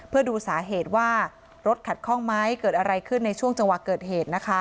เพื่อดูสาเหตุว่ารถขัดข้องไหมเกิดอะไรขึ้นในช่วงจังหวะเกิดเหตุนะคะ